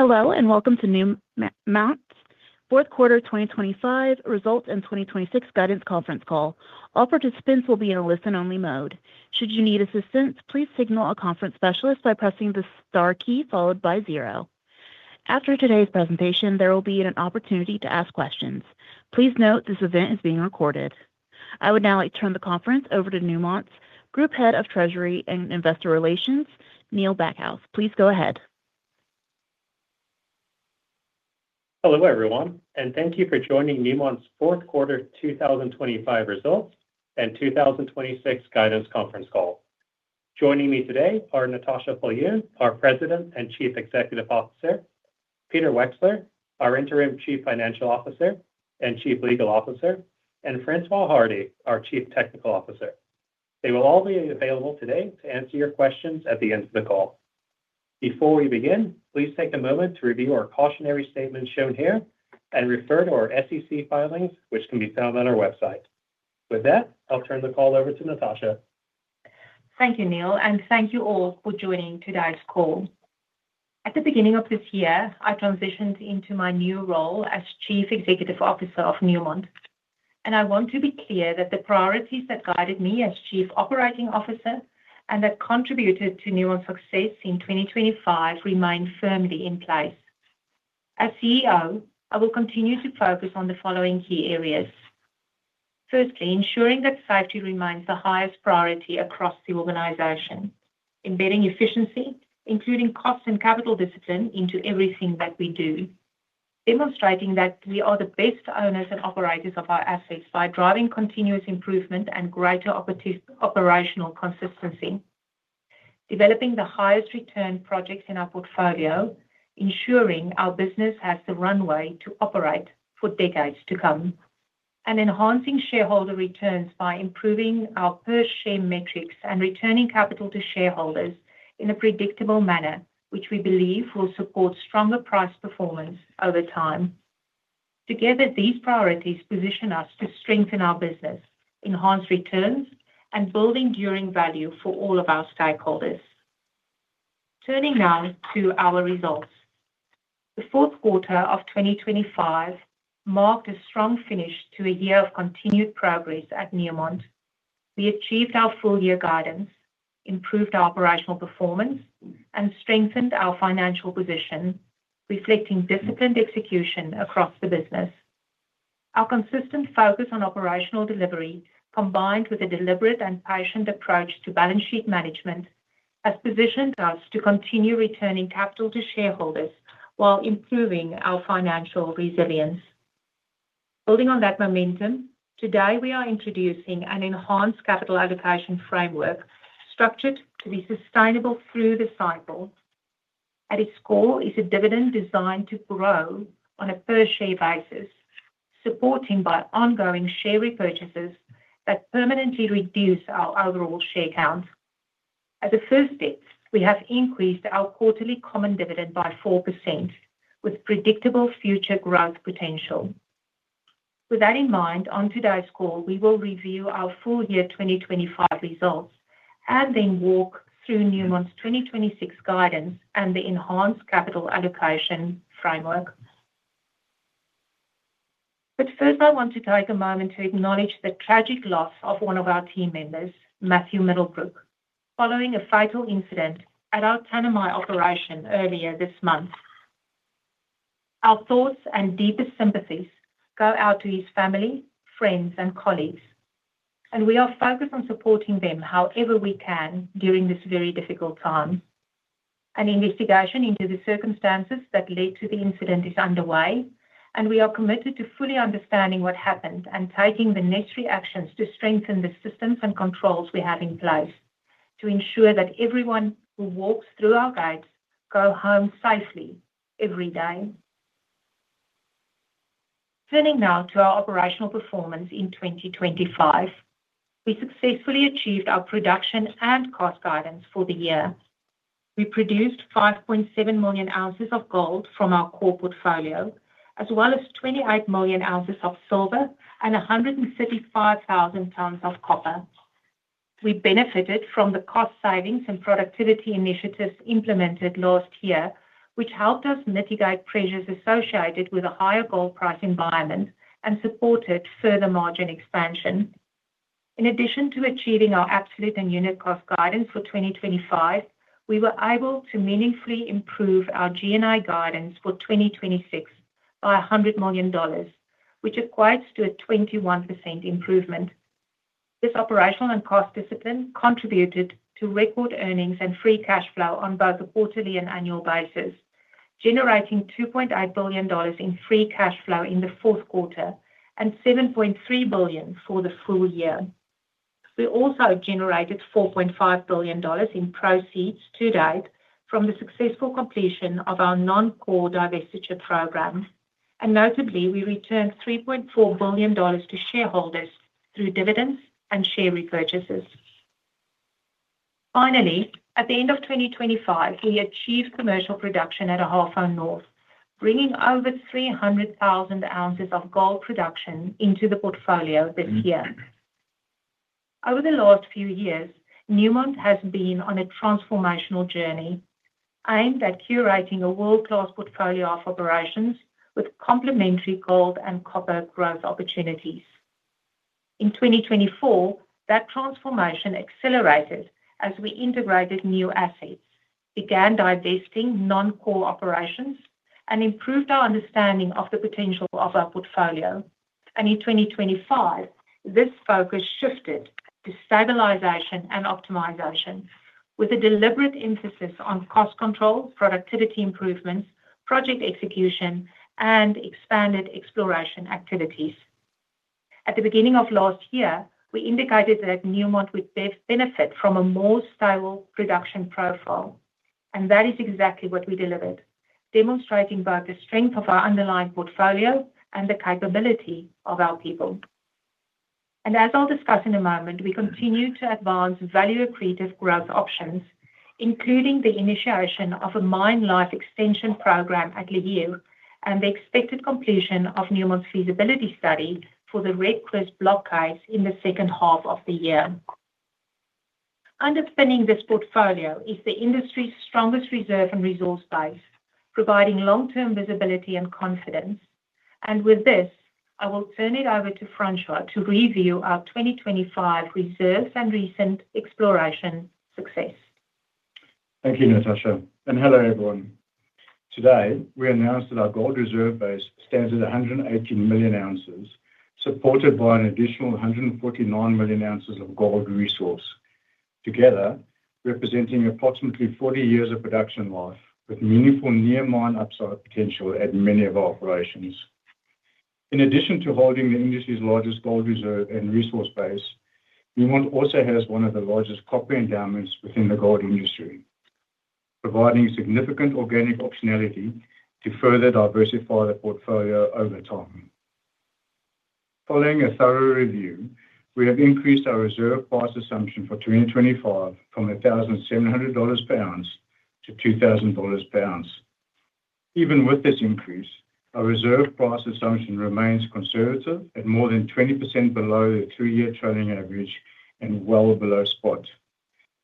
Hello, and welcome to Newmont's Fourth Quarter 2025 Results and 2026 Guidance Conference Call. All participants will be in a listen-only mode. Should you need assistance, please signal a conference specialist by pressing the star key followed by zero. After today's presentation, there will be an opportunity to ask questions. Please note, this event is being recorded. I would now like to turn the conference over to Newmont's Group Head of Treasury and Investor Relations, Neil Backhouse. Please go ahead. Hello, everyone, and thank you for joining Newmont's Fourth Quarter 2025 Results and 2026 Guidance Conference Call. Joining me today are Natascha Viljoen, our President and Chief Executive Officer, Peter Wexler, our Interim Chief Financial Officer and Chief Legal Officer, and Francois Hardy, our Chief Technical Officer. They will all be available today to answer your questions at the end of the call. Before we begin, please take a moment to review our cautionary statement shown here and refer to our SEC filings, which can be found on our website. With that, I'll turn the call over to Natascha. Thank you, Neil, and thank you all for joining today's call. At the beginning of this year, I transitioned into my new role as Chief Executive Officer of Newmont, and I want to be clear that the priorities that guided me as Chief Operating Officer and that contributed to Newmont's success in 2025 remain firmly in place. As CEO, I will continue to focus on the following key areas. Firstly, ensuring that safety remains the highest priority across the organization. Embedding efficiency, including cost and capital discipline into everything that we do. Demonstrating that we are the best owners and operators of our assets by driving continuous improvement and greater operational consistency. Developing the highest return projects in our portfolio, ensuring our business has the runway to operate for decades to come. Enhancing shareholder returns by improving our per-share metrics and returning capital to shareholders in a predictable manner, which we believe will support stronger price performance over time. Together, these priorities position us to strengthen our business, enhance returns, and build enduring value for all of our stakeholders. Turning now to our results. The fourth quarter of 2025 marked a strong finish to a year of continued progress at Newmont. We achieved our full-year guidance, improved operational performance, and strengthened our financial position, reflecting disciplined execution across the business. Our consistent focus on operational delivery, combined with a deliberate and patient approach to balance sheet management, has positioned us to continue returning capital to shareholders while improving our financial resilience. Building on that momentum, today, we are introducing an enhanced capital allocation framework structured to be sustainable through the cycle. At its core is a dividend designed to grow on a per-share basis, supported by ongoing share repurchases that permanently reduce our overall share count. As a first step, we have increased our quarterly common dividend by 4%, with predictable future growth potential. With that in mind, on today's call, we will review our full year 2025 results and then walk through Newmont's 2026 guidance and the enhanced capital allocation framework. But first, I want to take a moment to acknowledge the tragic loss of one of our team members, Matthew Middlebrook, following a fatal incident at our Tanami operation earlier this month. Our thoughts and deepest sympathies go out to his family, friends, and colleagues, and we are focused on supporting them however we can during this very difficult time. An investigation into the circumstances that led to the incident is underway, and we are committed to fully understanding what happened and taking the necessary actions to strengthen the systems and controls we have in place to ensure that everyone who walks through our gates go home safely every day. Turning now to our operational performance in 2025. We successfully achieved our production and cost guidance for the year. We produced 5.7 million ounces of gold from our core portfolio, as well as 28 million ounces of silver and 135,000 tons of copper. We benefited from the cost savings and productivity initiatives implemented last year, which helped us mitigate pressures associated with a higher gold price environment and supported further margin expansion. In addition to achieving our absolute and unit cost guidance for 2025, we were able to meaningfully improve our G&A guidance for 2026 by $100 million, which equates to a 21% improvement. This operational and cost discipline contributed to record earnings and free cash flow on both a quarterly and annual basis, generating $2.8 billion in free cash flow in the fourth quarter and $7.3 billion for the full year. We also generated $4.5 billion in proceeds to date from the successful completion of our non-core divestiture program, and notably, we returned $3.4 billion to shareholders through dividends and share repurchases. Finally, at the end of 2025, we achieved commercial production at Ahafo North, bringing over 300,000oz of gold production into the portfolio this year. Over the last few years, Newmont has been on a transformational journey aimed at curating a world-class portfolio of operations with complementary gold and copper growth opportunities. In 2024, that transformation accelerated as we integrated new assets, began divesting non-core operations, and improved our understanding of the potential of our portfolio. In 2025, this focus shifted to stabilization and optimization, with a deliberate emphasis on cost control, productivity improvements, project execution, and expanded exploration activities. At the beginning of last year, we indicated that Newmont would benefit from a more stable production profile, and that is exactly what we delivered, demonstrating both the strength of our underlying portfolio and the capability of our people. As I'll discuss in a moment, we continue to advance value-accretive growth options, including the initiation of a mine life extension program at Lihir, and the expected completion of Newmont's feasibility study for the Red Chris block cave in the second half of the year. Underpinning this portfolio is the industry's strongest reserve and resource base, providing long-term visibility and confidence. With this, I will turn it over to Francois to review our 2025 reserves and recent exploration success. Thank you, Natascha, and hello, everyone. Today, we announced that our gold reserve base stands at 180 million ounces, supported by an additional 149 million ounces of gold resource. Together, representing approximately 40 years of production life, with meaningful near mine upside potential at many of our operations. In addition to holding the industry's largest gold reserve and resource base, Newmont also has one of the largest copper endowments within the gold industry, providing significant organic optionality to further diversify the portfolio over time. Following a thorough review, we have increased our reserve price assumption for 2025 from $1,700 per ounce to $2,000 per ounce. Even with this increase, our reserve price assumption remains conservative at more than 20% below the three-year trailing average and well below spot,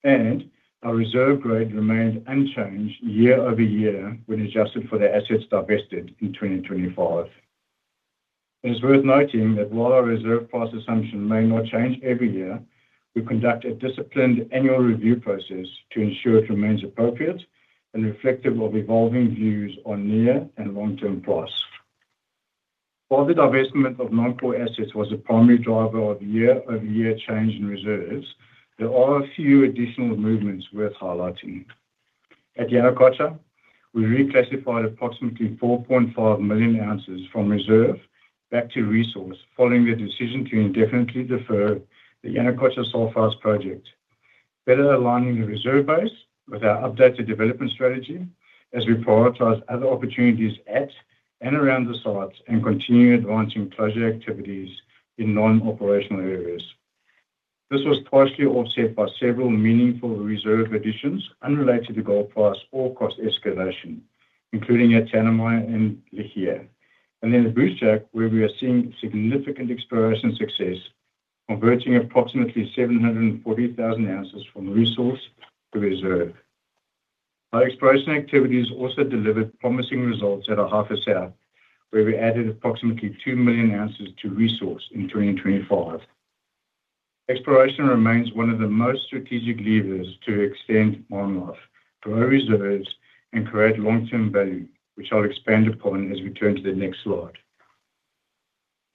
and our reserve grade remains unchanged year-over-year when adjusted for the assets divested in 2025. It is worth noting that while our reserve price assumption may not change every year, we conduct a disciplined annual review process to ensure it remains appropriate and reflective of evolving views on near- and long-term price. While the divestment of non-core assets was a primary driver of year-over-year change in reserves, there are a few additional movements worth highlighting. At Yanacocha, we reclassified approximately 4.5 million ounces from reserve back to resource, following the decision to indefinitely defer the Yanacocha Sulfides project. Better aligning the reserve base with our updated development strategy as we prioritize other opportunities at and around the site and continue advancing closure activities in non-operational areas. This was partially offset by several meaningful reserve additions unrelated to gold price or cost escalation, including at Tanami and Lihir, and then at Brucejack, where we are seeing significant exploration success, converting approximately 740,000oz from resource to reserve. Our exploration activities also delivered promising results at Ahafo South, where we added approximately two million ounces to resource in 2025. Exploration remains one of the most strategic levers to extend mine life, grow reserves, and create long-term value, which I'll expand upon as we turn to the next slide.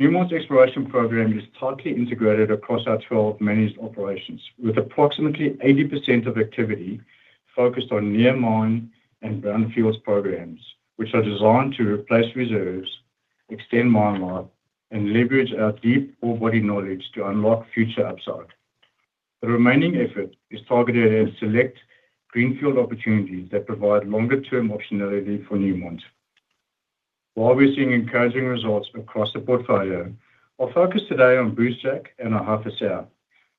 Newmont's exploration program is tightly integrated across our 12 managed operations, with approximately 80% of activity focused on near mine and brownfields programs, which are designed to replace reserves, extend mine life, and leverage our deep ore body knowledge to unlock future upside. The remaining effort is targeted at select greenfield opportunities that provide longer-term optionality for Newmont. While we're seeing encouraging results across the portfolio, I'll focus today on Brucejack and Ahafo South,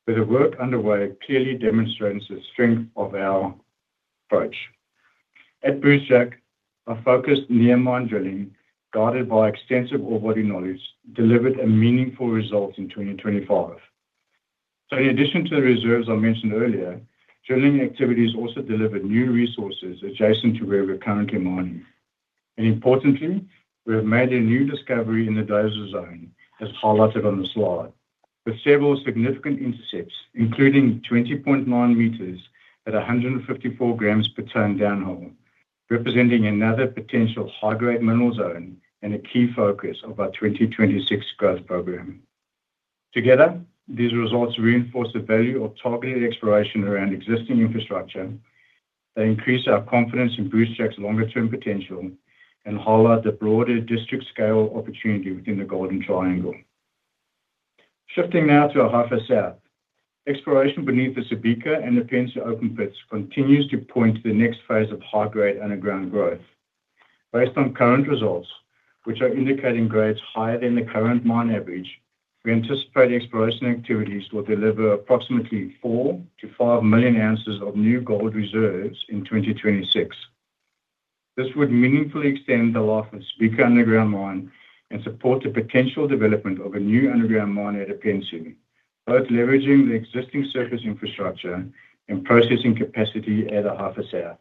where the work underway clearly demonstrates the strength of our approach. At Brucejack, our focused near mine drilling, guided by extensive ore body knowledge, delivered a meaningful result in 2025. So in addition to the reserves I mentioned earlier, drilling activities also delivered new resources adjacent to where we're currently mining. Importantly, we have made a new discovery in the Dozer Zone, as highlighted on the slide, with several significant intercepts, including 20.9 meters at 154 grams per tonne downhole, representing another potential high-grade mineral zone and a key focus of our 2026 growth program. Together, these results reinforce the value of targeted exploration around existing infrastructure. They increase our confidence in Brucejack's longer-term potential and highlight the broader district-scale opportunity within the Golden Triangle. Shifting now to Ahafo South. Exploration beneath the Subika and the Apensu open pits continues to point to the next phase of high-grade underground growth. Based on current results, which are indicating grades higher than the current mine average, we anticipate exploration activities will deliver approximately four to five million ounces of new gold reserves in 2026. This would meaningfully extend the life of Subika underground mine and support the potential development of a new underground mine at Apensu, both leveraging the existing surface infrastructure and processing capacity at Ahafo South.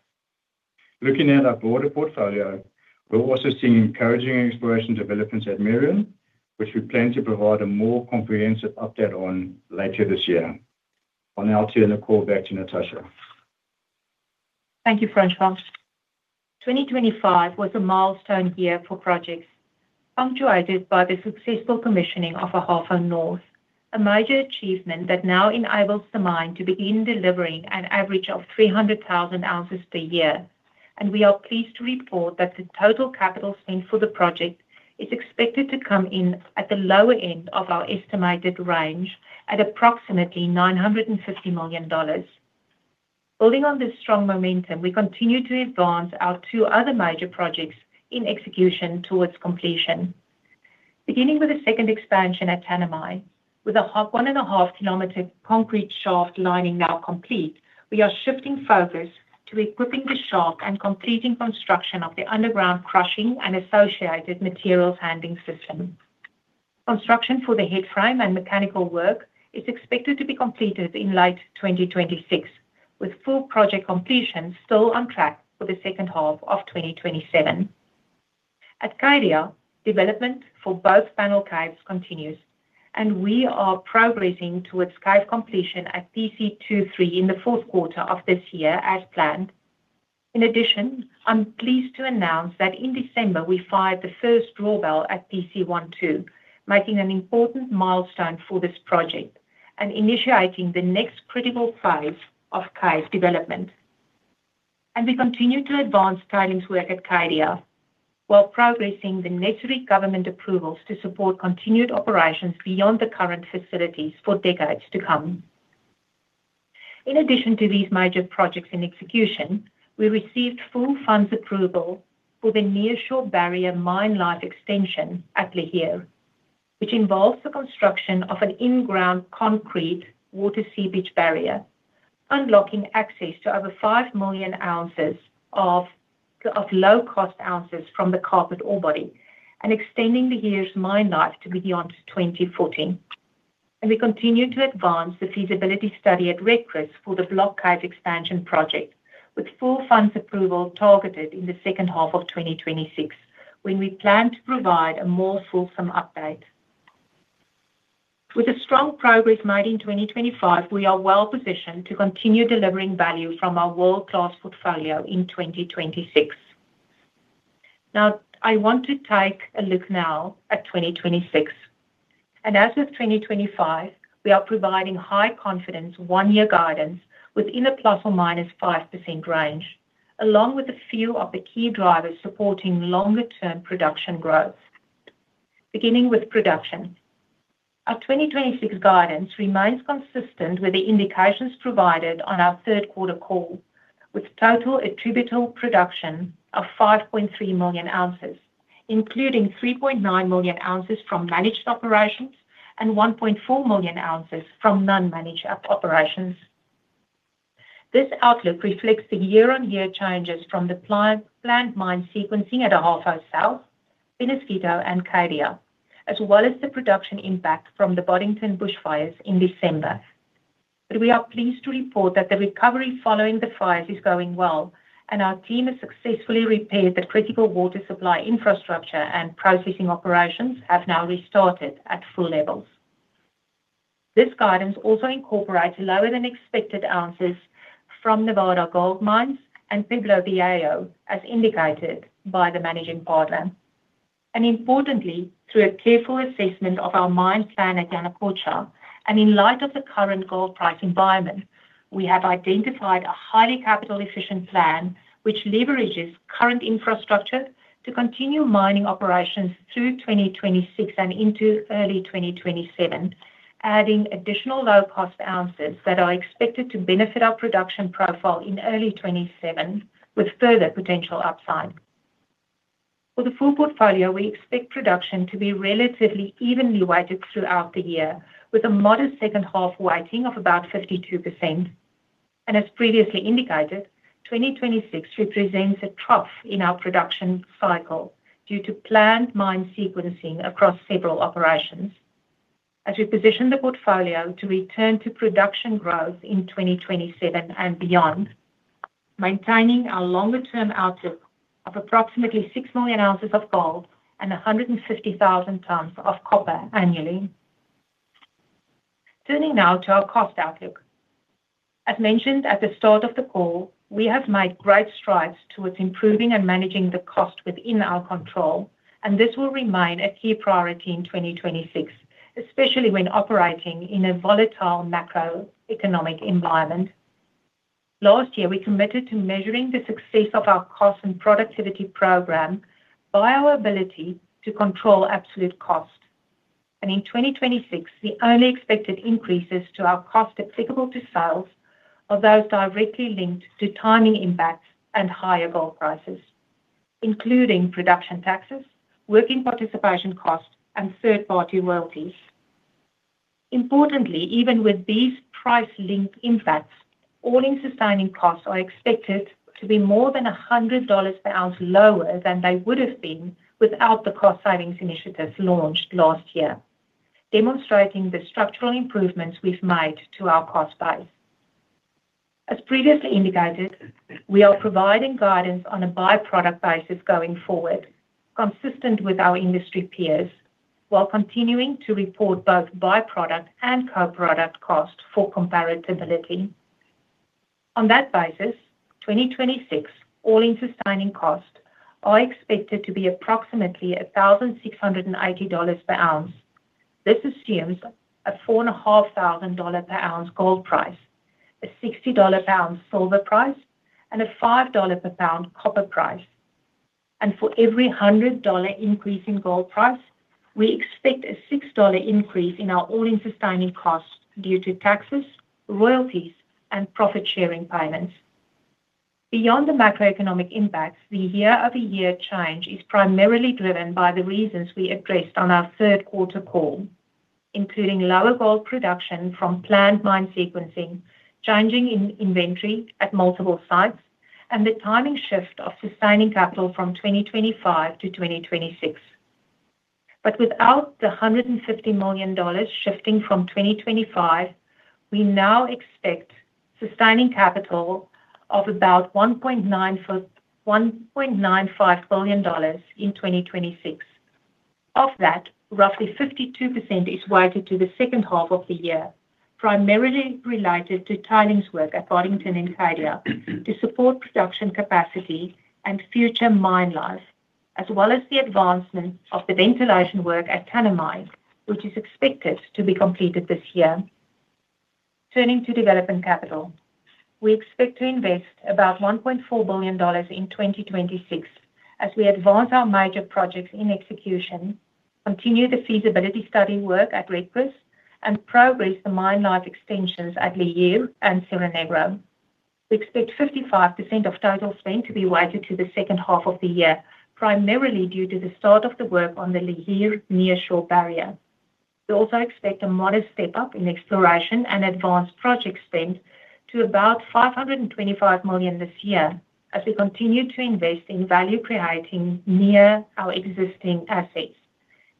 Looking at our broader portfolio, we're also seeing encouraging exploration developments at Merian, which we plan to provide a more comprehensive update on later this year. I'll now turn the call back to Natascha. Thank you, Francois. 2025 was a milestone year for projects, punctuated by the successful commissioning of Ahafo North, a major achievement that now enables the mine to begin delivering an average of 300,000 ounces per year. We are pleased to report that the total capital spend for the project is expected to come in at the lower end of our estimated range at approximately $950 million. Building on this strong momentum, we continue to advance our two other major projects in execution towards completion. Beginning with the second expansion at Tanami, with a one and a half kilometer concrete shaft lining now complete, we are shifting focus to equipping the shaft and completing construction of the underground crushing and associated materials handling system. Construction for the headframe and mechanical work is expected to be completed in late 2026, with full project completion still on track for the second half of 2027. At Cadia, development for both panel caves continues, and we are progressing towards cave completion at PC 2-3 in the fourth quarter of this year as planned. In addition, I'm pleased to announce that in December, we fired the first drawbell at PC 1-2, marking an important milestone for this project and initiating the next critical phase of cave development. We continue to advance tailings work at Cadia, while progressing the necessary government approvals to support continued operations beyond the current facilities for decades to come. In addition to these major projects in execution, we received full funds approval for the near-shore barrier Mine Life Extension at Lihir, which involves the construction of an in-ground concrete water seepage barrier, unlocking access to over five million ounces of low-cost ounces from the Kapit ore body and extending the mine's life to beyond 2040. We continue to advance the Feasibility Study at Red Chris for the Block Cave expansion project, with full funds approval targeted in the second half of 2026, when we plan to provide a more fulsome update. With the strong progress made in 2025, we are well positioned to continue delivering value from our world-class portfolio in 2026. Now, I want to take a look now at 2026, and as with 2025, we are providing high confidence, one-year guidance within a ±5% range, along with a few of the key drivers supporting longer term production growth. Beginning with production. Our 2026 guidance remains consistent with the indications provided on our third quarter call, with total attributable production of 5.3 million ounces, including 3.9 million ounces from managed operations and 1.4 million ounces from non-managed operations. This outlook reflects the year-on-year changes from the planned mine sequencing at Ahafo South, Peñasquito, and Cadia, as well as the production impact from the Boddington bushfires in December. We are pleased to report that the recovery following the fires is going well, and our team has successfully repaired the critical water supply infrastructure, and processing operations have now restarted at full levels. This guidance also incorporates lower than expected ounces from Nevada Gold Mines and Pueblo Viejo, as indicated by the managing partner. Importantly, through a careful assessment of our mine plan at Yanacocha, and in light of the current gold price environment, we have identified a highly capital-efficient plan which leverages current infrastructure to continue mining operations through 2026 and into early 2027, adding additional low-cost ounces that are expected to benefit our production profile in early 2027, with further potential upside. For the full portfolio, we expect production to be relatively evenly weighted throughout the year, with a modest second half weighting of about 52%. And as previously indicated, 2026 represents a trough in our production cycle due to planned mine sequencing across several operations. As we position the portfolio to return to production growth in 2027 and beyond, maintaining our longer-term outlook of approximately six million ounces of gold and 150,000 tonnes of copper annually. Turning now to our cost outlook. As mentioned at the start of the call, we have made great strides towards improving and managing the cost within our control, and this will remain a key priority in 2026, especially when operating in a volatile macroeconomic environment. Last year, we committed to measuring the success of our cost and productivity program by our ability to control absolute cost, and in 2026, the only expected increases to our cost applicable to sales are those directly linked to timing impacts and higher gold prices, including production taxes, workers' participation costs, and third-party royalties. Importantly, even with these price-linked impacts, All-in Sustaining Costs are expected to be more than $100 per ounce lower than they would have been without the cost savings initiatives launched last year, demonstrating the structural improvements we've made to our cost base. As previously indicated, we are providing guidance on a by-product basis going forward, consistent with our industry peers, while continuing to report both by-product and co-product cost for comparability. On that basis, 2026 All-in Sustaining Costs are expected to be approximately $1,680 per ounce. This assumes a $4,500 per ounce gold price, a $60 per ounce silver price, and a $5 per pound copper price. For every $100 increase in gold price, we expect a $6 increase in our all-in sustaining costs due to taxes, royalties, and profit-sharing payments. Beyond the macroeconomic impacts, the year-over-year change is primarily driven by the reasons we addressed on our third quarter call, including lower gold production from planned mine sequencing, changes in inventory at multiple sites, and the timing shift of sustaining capital from 2025 to 2026. Without the $150 million shifting from 2025, we now expect sustaining capital of about $1.95 billion in 2026. Of that, roughly 52% is weighted to the second half of the year, primarily related to tailings work at Boddington and Cadia to support production capacity and future mine life, as well as the advancement of the ventilation work at Tanami, which is expected to be completed this year. Turning to development capital. We expect to invest about $1.4 billion in 2026 as we advance our major projects in execution, continue the feasibility study work at Red Chris, and progress the mine life extensions at Lihir and Cerro Negro. We expect 55% of total spend to be weighted to the second half of the year, primarily due to the start of the work on the Lihir nearshore barrier. We also expect a modest step up in exploration and advanced project spend to about $525 million this year as we continue to invest in value creating near our existing assets,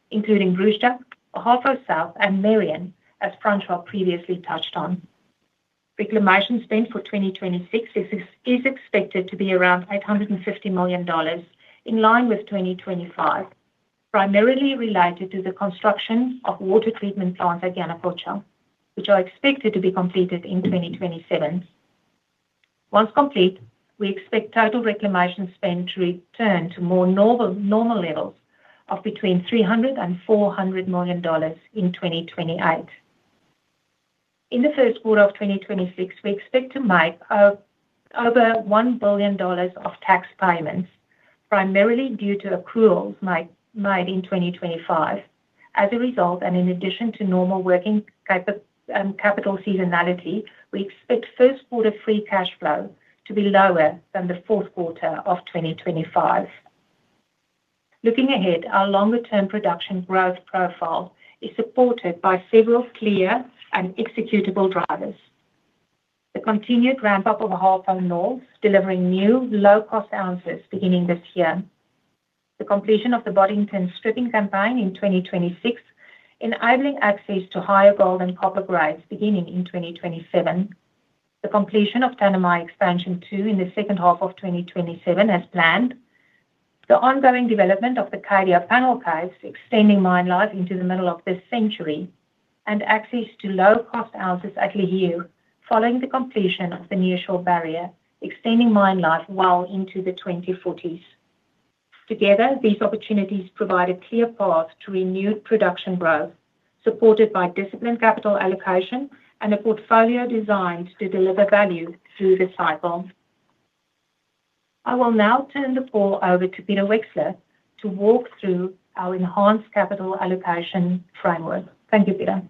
including Brucejack, Ahafo South, and Merian, as Francois previously touched on. Reclamation spend for 2026 is expected to be around $850 million, in line with 2025, primarily related to the construction of water treatment plants at Yanacocha, which are expected to be completed in 2027. Once complete, we expect total reclamation spend to return to more normal levels of between $300-$400 million in 2028. In the first quarter of 2026, we expect to make over $1 billion of tax payments, primarily due to accruals made in 2025. As a result, and in addition to normal working capital seasonality, we expect first quarter free cash flow to be lower than the fourth quarter of 2025. Looking ahead, our longer-term production growth profile is supported by several clear and executable drivers. The continued ramp-up of Ahafo North, delivering new low-cost ounces beginning this year. The completion of the Boddington stripping campaign in 2026, enabling access to higher gold and copper grades beginning in 2027. The completion of Tanami Expansion Two in the second half of 2027 as planned. The ongoing development of the Cadia Panel Caves, extending mine life into the middle of this century, and access to low-cost ounces at Lihir, following the completion of the nearshore barrier, extending mine life well into the 2040s. Together, these opportunities provide a clear path to renewed production growth, supported by disciplined capital allocation and a portfolio designed to deliver value through this cycle. I will now turn the call over to Peter Wexler to walk through our enhanced capital allocation framework. Thank you, Peter.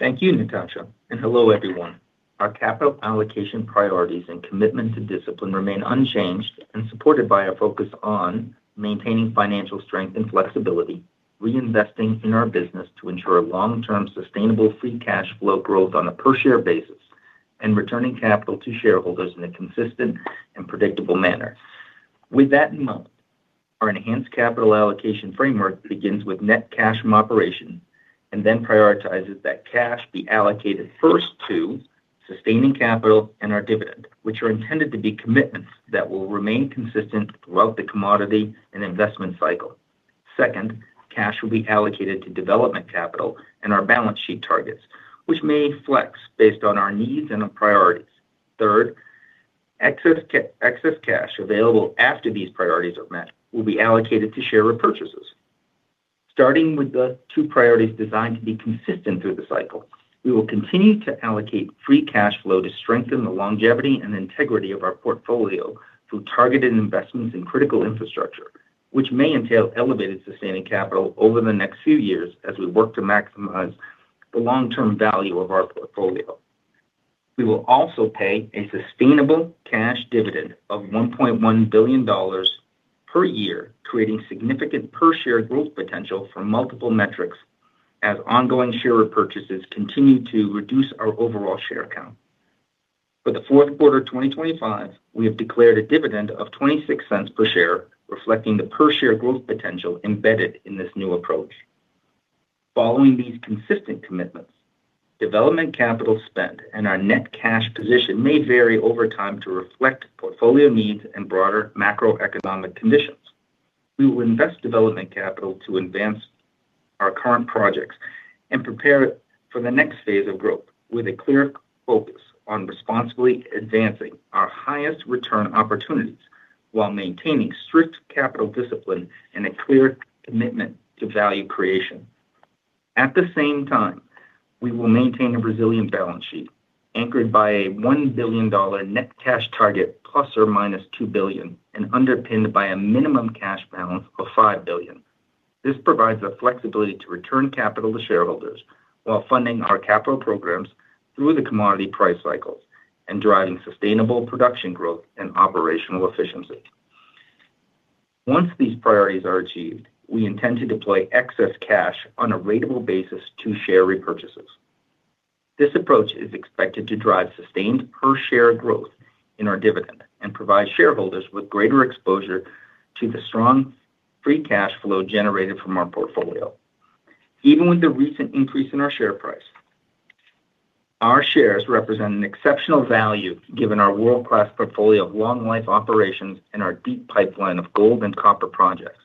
Thank you, Natascha, and hello, everyone. Our capital allocation priorities and commitment to discipline remain unchanged and supported by a focus on maintaining financial strength and flexibility, reinvesting in our business to ensure long-term sustainable free cash flow growth on a per-share basis, and returning capital to shareholders in a consistent and predictable manner. With that in mind, our enhanced capital allocation framework begins with net cash from operation and then prioritizes that cash be allocated first to sustaining capital and our dividend, which are intended to be commitments that will remain consistent throughout the commodity and investment cycle. Second, cash will be allocated to development capital and our balance sheet targets, which may flex based on our needs and our priorities. Third, excess cash available after these priorities are met, will be allocated to share repurchases. Starting with the two priorities designed to be consistent through the cycle, we will continue to allocate free cash flow to strengthen the longevity and integrity of our portfolio through targeted investments in critical infrastructure, which may entail elevated sustaining capital over the next few years as we work to maximize the long-term value of our portfolio. We will also pay a sustainable cash dividend of $1.1 billion per year, creating significant per share growth potential for multiple metrics as ongoing share repurchases continue to reduce our overall share count. For the fourth quarter 2025, we have declared a dividend of $0.26 per share, reflecting the per share growth potential embedded in this new approach. Following these consistent commitments, development capital spend and our net cash position may vary over time to reflect portfolio needs and broader macroeconomic conditions. We will invest development capital to advance our current projects and prepare for the next phase of growth with a clear focus on responsibly advancing our highest return opportunities, while maintaining strict capital discipline and a clear commitment to value creation. At the same time, we will maintain a resilient balance sheet, anchored by a $1 billion net cash target ±$2 billion, and underpinned by a minimum cash balance of $5 billion. This provides the flexibility to return capital to shareholders while funding our capital programs through the commodity price cycles and driving sustainable production growth and operational efficiency. Once these priorities are achieved, we intend to deploy excess cash on a ratable basis to share repurchases. This approach is expected to drive sustained per share growth in our dividend and provide shareholders with greater exposure to the strong free cash flow generated from our portfolio. Even with the recent increase in our share price, our shares represent an exceptional value, given our world-class portfolio of long-life operations and our deep pipeline of gold and copper projects.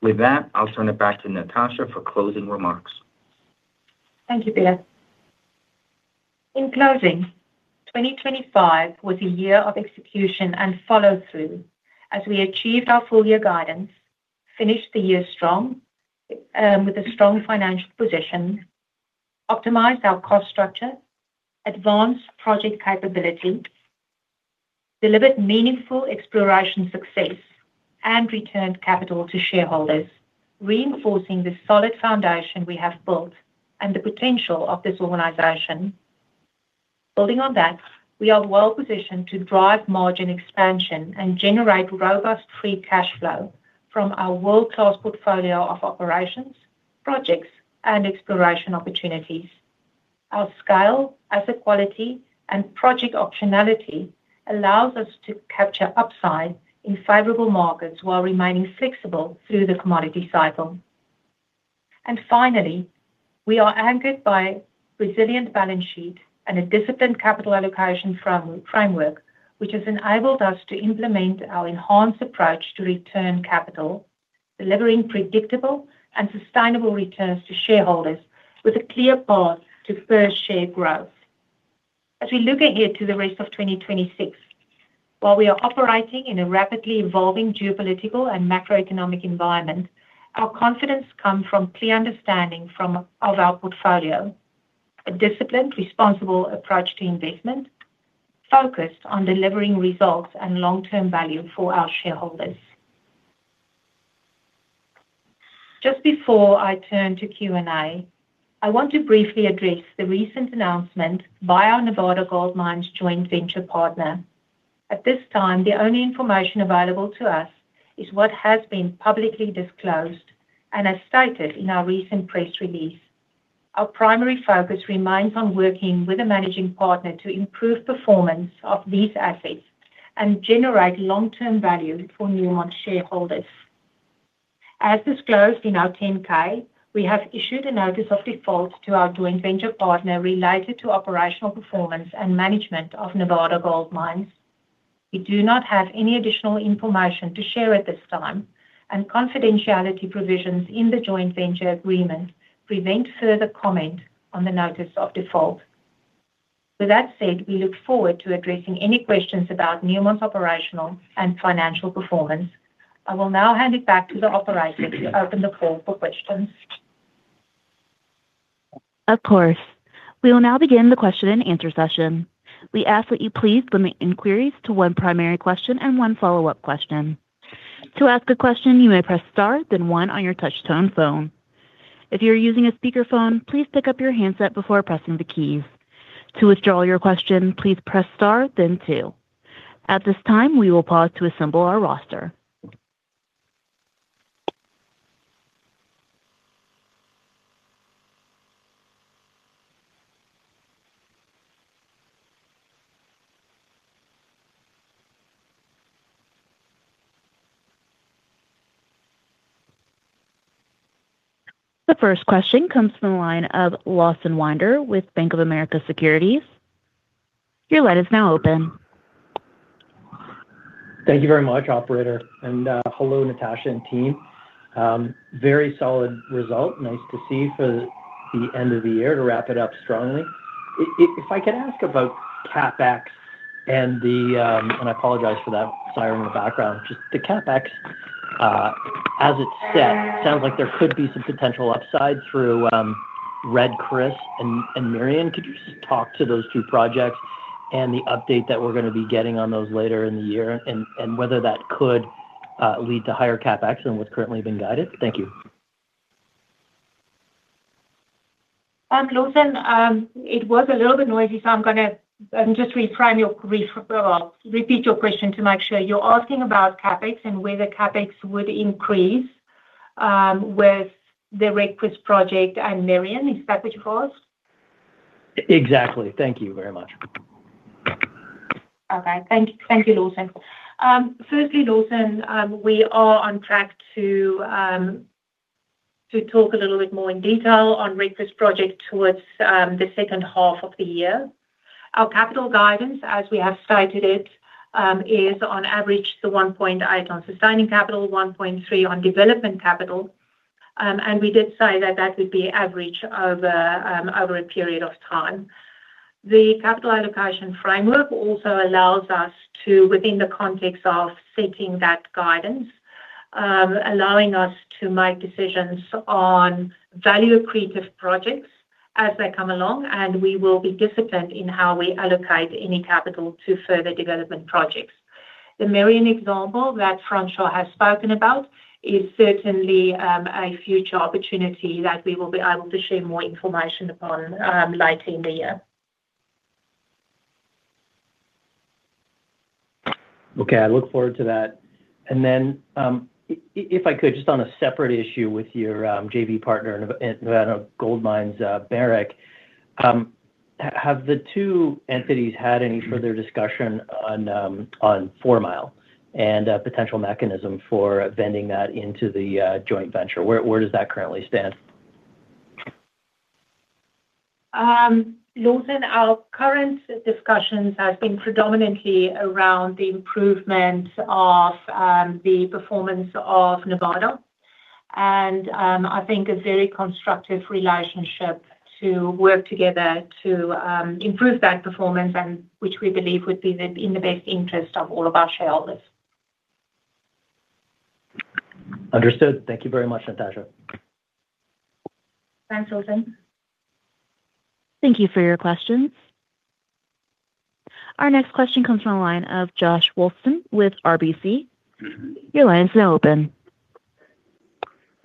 With that, I'll turn it back to Natascha for closing remarks. Thank you, Neil. In closing, 2025 was a year of execution and follow-through as we achieved our full year guidance, finished the year strong, with a strong financial position, optimized our cost structure, advanced project capability, delivered meaningful exploration success, and returned capital to shareholders, reinforcing the solid foundation we have built and the potential of this organization. Building on that, we are well positioned to drive margin expansion and generate robust free cash flow from our world-class portfolio of operations, projects, and exploration opportunities. Our scale, asset quality, and project optionality allows us to capture upside in favorable markets while remaining flexible through the commodity cycle. And finally, we are anchored by a resilient balance sheet and a disciplined capital allocation framework, which has enabled us to implement our enhanced approach to return capital, delivering predictable and sustainable returns to shareholders with a clear path to per share growth. As we look ahead to the rest of 2026, while we are operating in a rapidly evolving geopolitical and macroeconomic environment, our confidence comes from clear understanding of our portfolio, a disciplined, responsible approach to investment focused on delivering results and long-term value for our shareholders. Just before I turn to Q&A, I want to briefly address the recent announcement by our Nevada Gold Mines joint venture partner. At this time, the only information available to us is what has been publicly disclosed and as stated in our recent press release. Our primary focus remains on working with a managing partner to improve performance of these assets and generate long-term value for Newmont shareholders. As disclosed in our 10-K, we have issued a notice of default to our joint venture partner related to operational performance and management of Nevada Gold Mines. We do not have any additional information to share at this time, and confidentiality provisions in the joint venture agreement prevent further comment on the notice of default. With that said, we look forward to addressing any questions about Newmont's operational and financial performance. I will now hand it back to the operator to open the call for questions. Of course. We will now begin the question-and-answer session. We ask that you please limit inquiries to one primary question and one follow-up question. To ask a question, you may press star, then one on your touchtone phone. If you are using a speakerphone, please pick up your handset before pressing the keys. To withdraw your question, please press star, then two. At this time, we will pause to assemble our roster. The first question comes from the line of Lawson Winder with Bank of America Securities. Your line is now open. Thank you very much, operator, and hello, Natascha and team. Very solid result. Nice to see for the end of the year to wrap it up strongly. If I could ask about CapEx and the... I apologize for that siren in the background. Just the CapEx, as it's set, sounds like there could be some potential upside through Red Chris and Merian. Could you just talk to those two projects and the update that we're gonna be getting on those later in the year and whether that could lead to higher CapEx than what's currently been guided? Thank you. Lawson, it was a little bit noisy, so I'm gonna just repeat your question to make sure. You're asking about CapEx and whether CapEx would increase with the Red Chris project and Merian. Is that what you asked? Exactly. Thank you very much. Okay. Thank you, Lawson. Firstly, Lawson, we are on track to talk a little bit more in detail on Red Chris project towards the second half of the year. Our capital guidance, as we have cited it, is on average $1.1 billion sustaining capital, $1.3 billion on development capital. We did say that that would be average over a period of time. The capital allocation framework also allows us to, within the context of setting that guidance, allowing us to make decisions on value-accretive projects as they come along, and we will be disciplined in how we allocate any capital to further development projects. The Merian example that Francois has spoken about is certainly a future opportunity that we will be able to share more information upon later in the year. Okay, I look forward to that. And then, if I could, just on a separate issue with your JV partner, Nevada Gold Mines, Barrick. Have the two entities had any further discussion on Four Mile and a potential mechanism for vending that into the joint venture? Where does that currently stand? Lawson, our current discussions have been predominantly around the improvement of the performance of Nevada. I think a very constructive relationship to work together to improve that performance, and which we believe would be in the best interest of all of our shareholders. Understood. Thank you very much, Natascha. Thanks, Lawson. Thank you for your questions. Our next question comes from the line of Josh Wolfson with RBC. Your line is now open.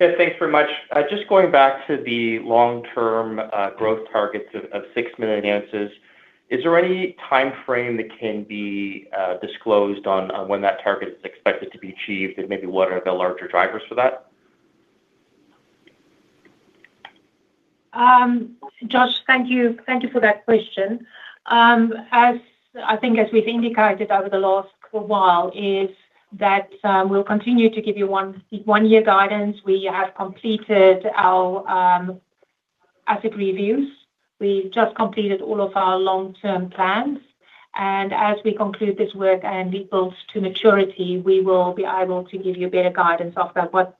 Yeah, thanks very much. Just going back to the long-term growth targets of six million ounces, is there any timeframe that can be disclosed on when that target is expected to be achieved, and maybe what are the larger drivers for that? Josh, thank you. Thank you for that question. As we've indicated over the last while, we'll continue to give you one-year guidance. We have completed our asset reviews. We've just completed all of our long-term plans, and as we conclude this work and it builds to maturity, we will be able to give you better guidance on what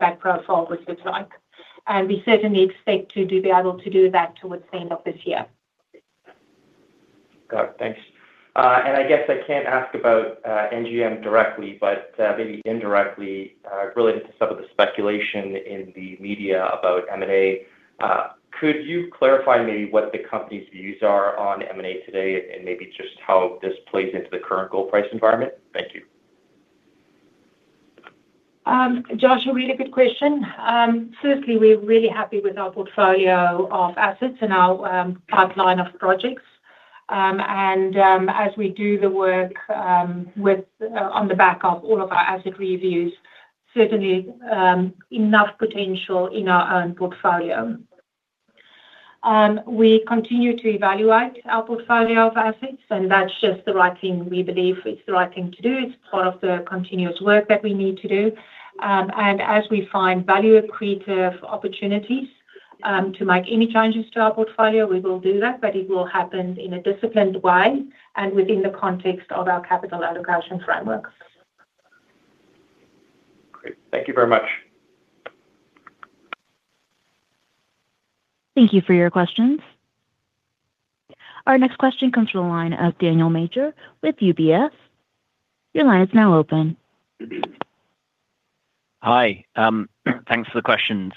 that profile would look like. And we certainly expect to be able to do that towards the end of this year. Got it. Thanks. I guess I can't ask about NGM directly, but maybe indirectly related to some of the speculation in the media about M&A. Could you clarify maybe what the company's views are on M&A today and maybe just how this plays into the current gold price environment? Thank you. Josh, a really good question. Firstly, we're really happy with our portfolio of assets and our pipeline of projects. And as we do the work with on the back of all of our asset reviews, certainly enough potential in our own portfolio. We continue to evaluate our portfolio of assets, and that's just the right thing. We believe it's the right thing to do. It's part of the continuous work that we need to do. And as we find value-accretive opportunities to make any changes to our portfolio, we will do that, but it will happen in a disciplined way and within the context of our capital allocation framework. Great. Thank you very much. Thank you for your questions. Our next question comes from the line of Daniel Major with UBS. Your line is now open. Hi. Thanks for the questions.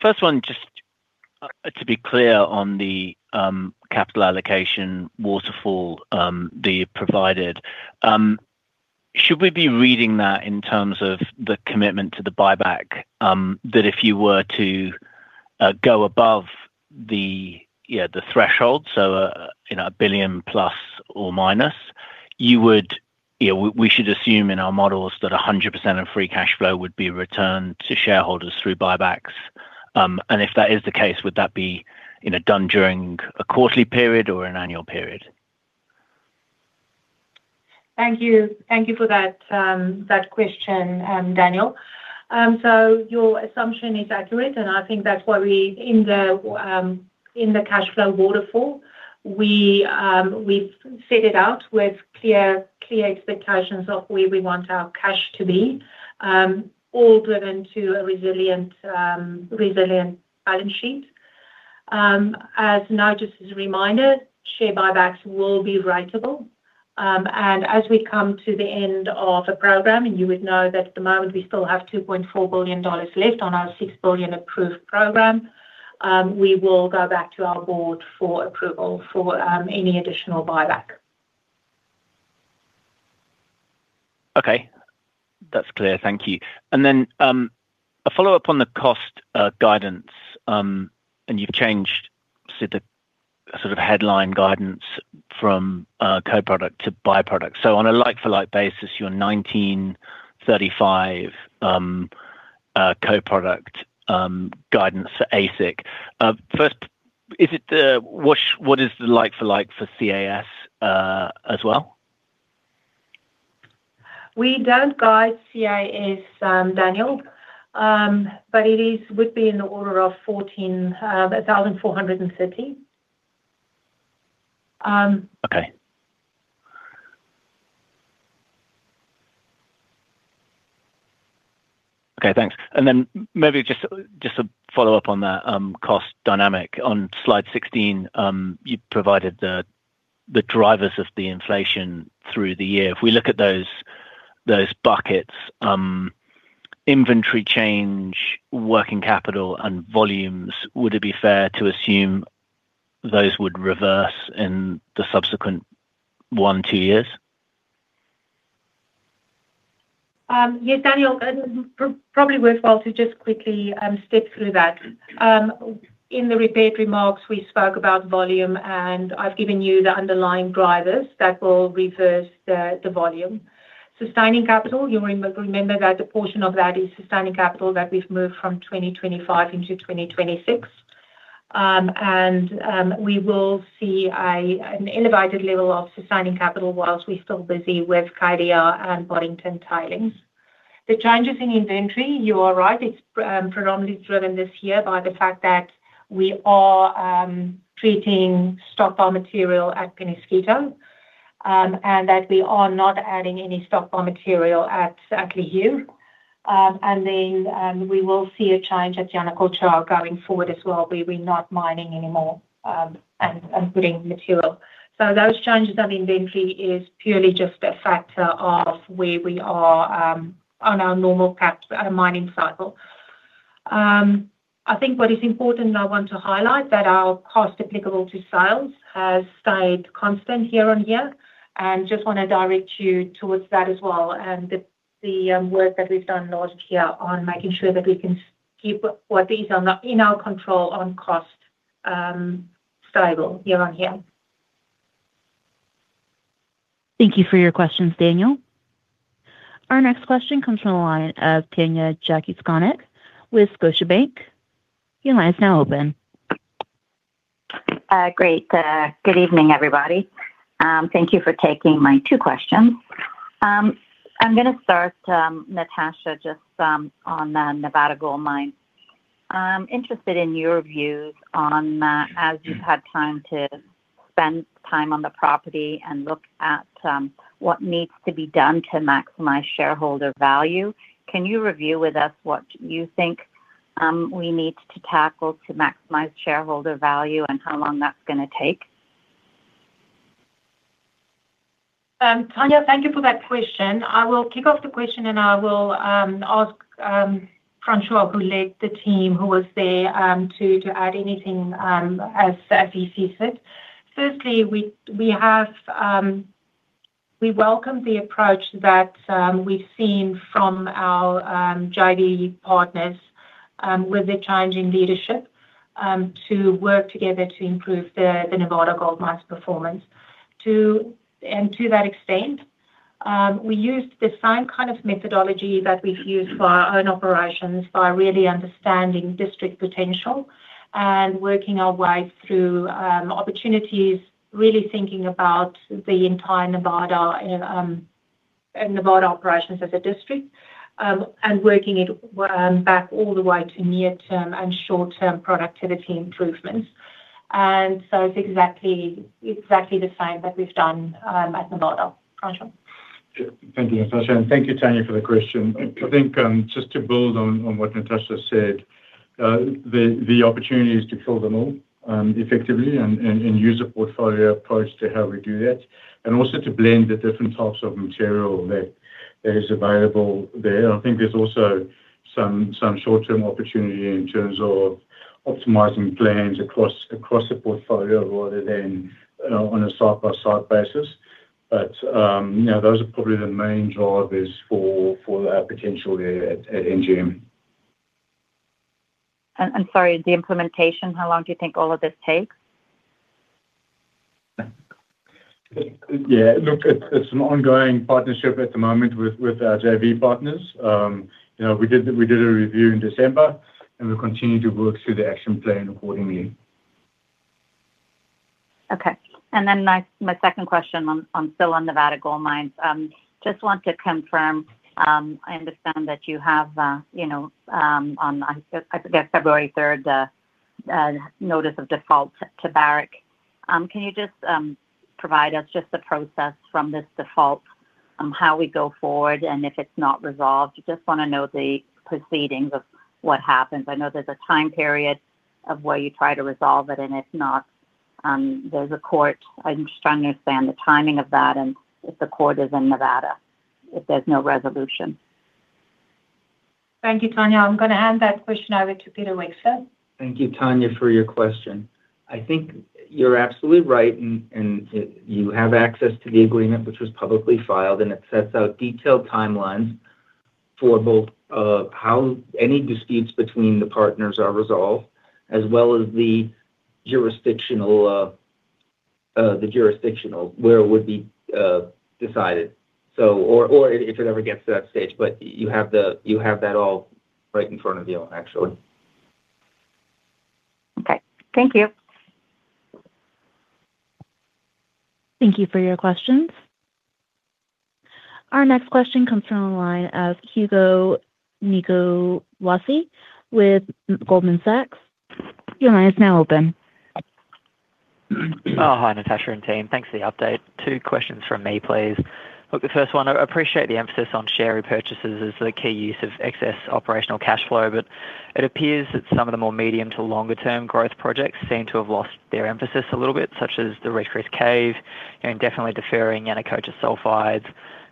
First one, just to be clear on the capital allocation waterfall that you provided, should we be reading that in terms of the commitment to the buyback? That if you were to go above the, yeah, the threshold, so, you know, $1 billion plus or minus, you would you know, we should assume in our models that 100% of free cash flow would be returned to shareholders through buybacks. And if that is the case, would that be, you know, done during a quarterly period or an annual period? Thank you. Thank you for that, that question, Daniel. So your assumption is accurate, and I think that's why we in the, in the cash flow waterfall, we've set it out with clear, clear expectations of where we want our cash to be, all driven to a resilient, resilient balance sheet. Now, just as a reminder, share buybacks will be ratable. And as we come to the end of a program, and you would know that at the moment we still have $2.4 billion left on our $6 billion approved program, we will go back to our board for approval for, any additional buyback. Okay, that's clear. Thank you. And then, a follow-up on the cost guidance, and you've changed sort of headline guidance from co-product to by-product. So on a like-for-like basis, your $1,935 co-product guidance for AISC. First, what is the like-for-like for CAS, as well? We don't guide CAS, Daniel, but it would be in the order of $14,450. Okay. Okay, thanks. Then maybe just a follow-up on that, cost dynamic. On slide 16, you provided the drivers of the inflation through the year. If we look at those buckets, inventory change, working capital, and volumes, would it be fair to assume those would reverse in the subsequent one to two years? Yes, Daniel, probably worthwhile to just quickly step through that. In the prepared remarks, we spoke about volume, and I've given you the underlying drivers that will reverse the volume. Sustaining capital, you will remember that a portion of that is sustaining capital that we've moved from 2025 into 2026. And we will see an elevated level of sustaining capital whilst we're still busy with Cadia and Boddington tailings. The changes in inventory, you are right, it's predominantly driven this year by the fact that we are treating stockpile material at Peñasquito, and that we are not adding any stockpile material at Ahafo. And then we will see a change at Yanacocha going forward as well, where we're not mining anymore and putting material. So those changes on inventory is purely just a factor of where we are on our normal cap mining cycle. I think what is important, and I want to highlight, that our Cost Applicable to Sales has stayed constant year on year. And just want to direct you towards that as well and the work that we've done last year on making sure that we can keep what is in our control on cost stable year on year. Thank you for your questions, Daniel. Our next question comes from the line of Tanya Jakusconek with Scotiabank. Your line is now open. Great. Good evening, everybody. Thank you for taking my two questions. I'm gonna start, Natascha, just, on the Nevada Gold Mines. I'm interested in your views on, as you've had time to spend time on the property and look at, what needs to be done to maximize shareholder value. Can you review with us what you think we need to tackle to maximize shareholder value and how long that's gonna take? Tanya, thank you for that question. I will kick off the question, and I will ask Francois, who led the team, who was there, to add anything, as he sees it. Firstly, we have we welcome the approach that we've seen from our JV partners with the change in leadership to work together to improve the Nevada Gold Mines' performance. And to that extent, we used the same kind of methodology that we've used for our own operations by really understanding district potential and working our way through opportunities, really thinking about the entire Nevada and Nevada operations as a district, and working it back all the way to near term and short-term productivity improvements. And so it's exactly, exactly the same that we've done at Nevada. Francois? Yeah. Thank you, Natascha, and thank you, Tanya, for the question. I think, just to build on, on what Natascha said, the, the opportunity is to fill them all, effectively and, and, and use a portfolio approach to how we do that, and also to blend the different types of material that, that is available there. I think there's also some, some short-term opportunity in terms of optimizing plans across, across the portfolio rather than, on a side-by-side basis. But, you know, those are probably the main drivers for, for our potential there at, at MGM. Sorry, the implementation, how long do you think all of this takes? Yeah, look, it's an ongoing partnership at the moment with our JV partners. You know, we did a review in December, and we're continuing to work through the action plan accordingly. Okay. And then my second question on still on Nevada Gold Mines. Just want to confirm, I understand that you have, you know, on, I forget, February third, the notice of default to Barrick. Can you just provide us just the process from this default, how we go forward, and if it's not resolved? Just want to know the proceedings of what happens. I know there's a time period of where you try to resolve it, and if not, there's a court. I just trying to understand the timing of that and if the court is in Nevada, if there's no resolution. Thank you, Tanya. I'm going to hand that question over to Peter Wexler. Thank you, Tanya, for your question. I think you're absolutely right, and you have access to the agreement, which was publicly filed, and it sets out detailed timelines for both, how any disputes between the partners are resolved, as well as the jurisdiction of where it would be decided. So or if it ever gets to that stage, but you have that all right in front of you, actually. Okay, thank you. Thank you for your questions. Our next question comes from the line of Hugo Nicolaci with Goldman Sachs. Your line is now open. Oh, hi, Natascha and team. Thanks for the update. Two questions from me, please. Look, the first one, I appreciate the emphasis on share repurchases as the key use of excess operational cash flow, but it appears that some of the more medium to longer term growth projects seem to have lost their emphasis a little bit, such as the Red Chris Cave and definitely deferring Yanacocha Sulfides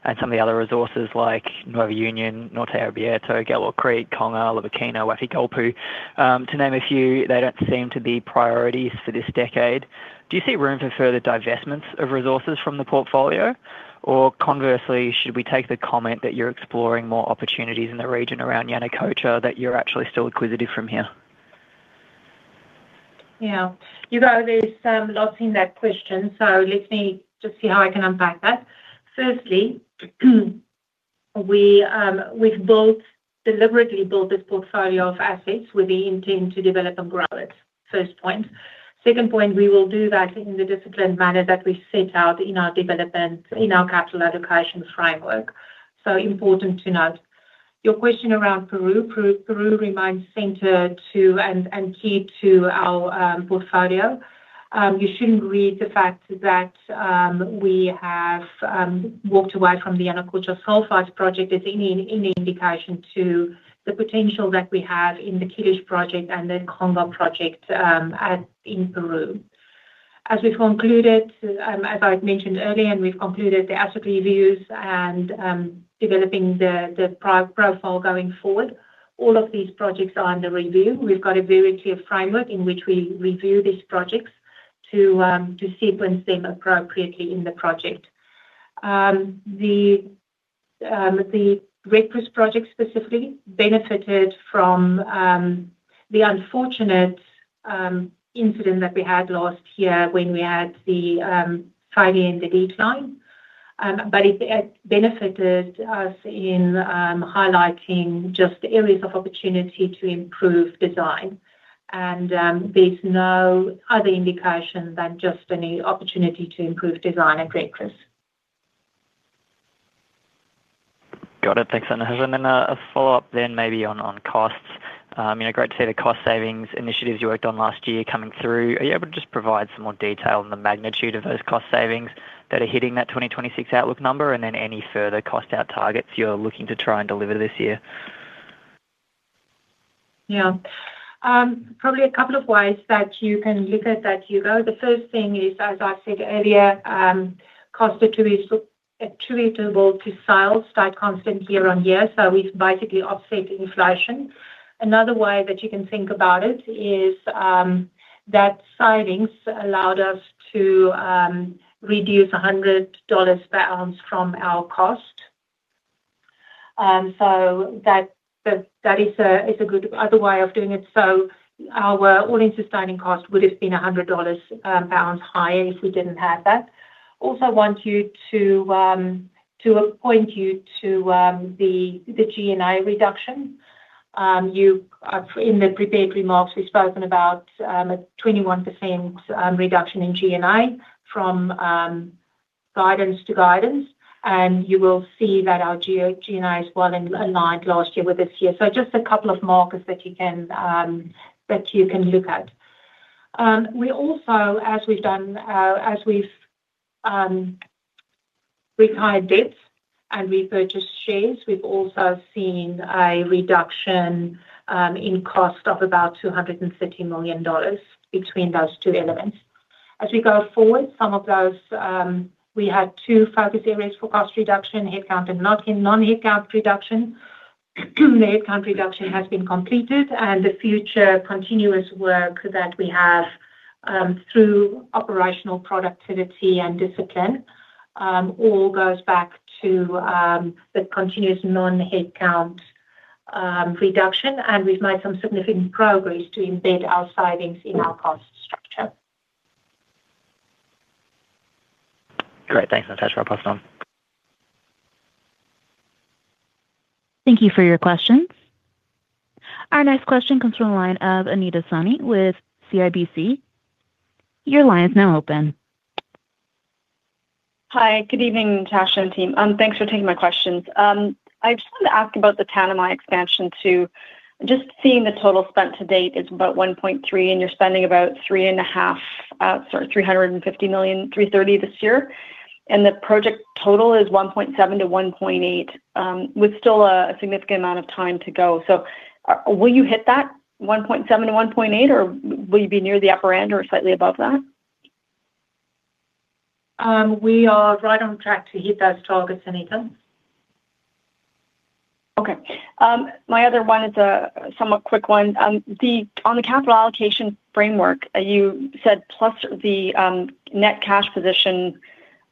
and some of the other resources like Nueva Unión, Norte Abierto, Galore Creek, Conga, La Zanja, Wafi-Golpu, to name a few. They don't seem to be priorities for this decade. Do you see room for further divestments of resources from the portfolio? Or conversely, should we take the comment that you're exploring more opportunities in the region around Yanacocha, that you're actually still acquisitive from here? Yeah. Hugo, there's lots in that question, so let me just see how I can unpack that. Firstly, we've built, deliberately built this portfolio of assets with the intent to develop and grow it. First point. Second point, we will do that in the disciplined manner that we set out in our development, in our capital allocation framework. So important to note, your question around Peru. Peru remains central to and key to our portfolio. You shouldn't read the fact that we have walked away from the Yanacocha Sulfides project as any indication to the potential that we have in the Yanacocha project and the Conga project, in Peru. As we've concluded, as I've mentioned earlier, and we've concluded the asset reviews and developing the profile going forward, all of these projects are under review. We've got a very clear framework in which we review these projects to sequence them appropriately in the project. The Red Chris project specifically benefited from the unfortunate incident that we had last year when we had the failure in the gate road. But it benefited us in highlighting just the areas of opportunity to improve design. And there's no other indication than just a new opportunity to improve design at Red Chris. Got it. Thanks, Natascha. Then a follow-up, maybe on costs. You know, great to see the cost savings initiatives you worked on last year coming through. Are you able to just provide some more detail on the magnitude of those cost savings that are hitting that 2026 outlook number, and then any further cost out targets you're looking to try and deliver this year? Yeah. Probably a couple of ways that you can look at that, Hugo. The first thing is, as I said earlier, costs attributable to sales stay constant year on year, so we've basically offset inflation. Another way that you can think about it is that savings allowed us to reduce $100 per ounce from our cost. So that is a good other way of doing it. So our all-in sustaining cost would have been $100 pounds higher if we didn't have that. Also, want you to point you to the G&A reduction. You, in the prepared remarks, we've spoken about a 21% reduction in G&A from guidance to guidance, and you will see that our G&A is well in line last year with this year. So just a couple of markers that you can that you can look at. We also, as we've done, as we've retired debts and repurchased shares, we've also seen a reduction in cost of about $230 million between those two elements. As we go forward, some of those, we had two focus areas for cost reduction, headcount and non-headcount reduction. The headcount reduction has been completed and the future continuous work that we have, through operational productivity and discipline, all goes back to the continuous non-headcount reduction, and we've made some significant progress to embed our savings in our cost structure. Great. Thanks, Natascha. I'll pass it on. Thank you for your questions. Our next question comes from the line of Anita Soni with CIBC. Your line is now open. Hi, good evening, Natascha and team. Thanks for taking my questions. I just wanted to ask about the Tanami expansion to just seeing the total spent to date is about $1.3 billion, and you're spending about $350 million, sorry, $330 million this year. The project total is $1.7-$1.8 billion with still a significant amount of time to go. So will you hit that $1.7-$1.8 billion, or will you be near the upper end or slightly above that? We are right on track to hit those targets, Anita. Okay. My other one is a somewhat quick one. On the capital allocation framework, you said plus the net cash position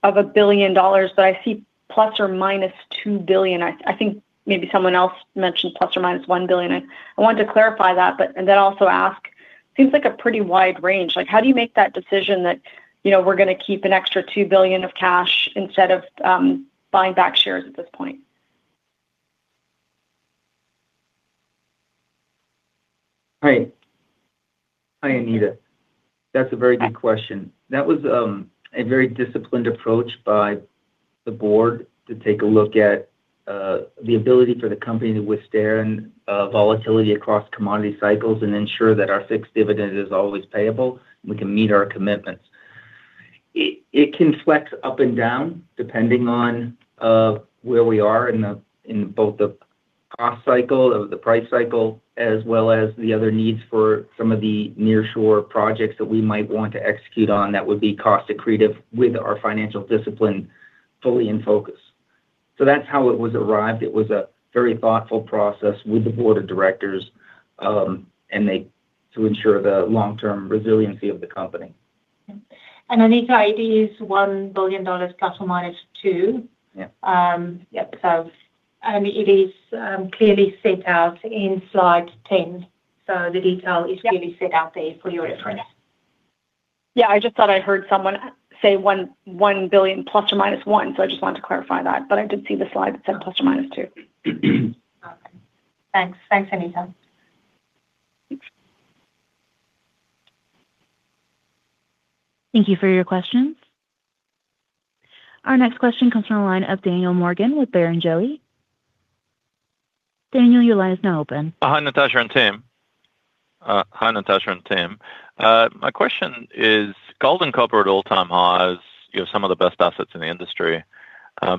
of $1 billion, but I see ±$2 billion. I think maybe someone else mentioned ±$1 billion. I wanted to clarify that, but, and then also ask, seems like a pretty wide range. Like, how do you make that decision that, you know, we're gonna keep an extra $2 billion of cash instead of buying back shares at this point? Hi. Hi, Anita. That's a very good question. That was a very disciplined approach by the board to take a look at the ability for the company to withstand volatility across commodity cycles and ensure that our fixed dividend is always payable, and we can meet our commitments. It can flex up and down, depending on where we are in both the cost cycle or the price cycle, as well as the other needs for some of the nearshore projects that we might want to execute on, that would be cash accretive with our financial discipline fully in focus. So that's how it was arrived. It was a very thoughtful process with the board of directors, and to ensure the long-term resiliency of the company. Anita, it is $1 billion ±2. Yeah. Yep, so and it is clearly set out in slide 10, so the detail Yeah. Is clearly set out there for your reference. Yeah, I just thought I heard someone say $1.1 billion ±1, so I just wanted to clarify that, but I did see the slide that said ±2. Okay. Thanks. Thanks, Anita. Thank you for your questions. Our next question comes from the line of Daniel Morgan with Barrenjoey. Daniel, your line is now open. Hi, Natascha and team. Hi, Natascha and team. My question is, gold and copper at all-time highs, you have some of the best assets in the industry.